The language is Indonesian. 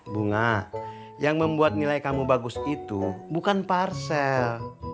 bunga yang membuat nilai kamu bagus itu bukan parsel